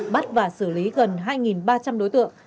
bắt và xử lý gần hai ba trăm linh đối tượng